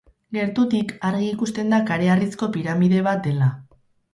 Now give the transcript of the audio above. Gertutik, argi ikusten da kareharrizko piramide bat dela.